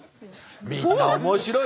みんな面白い！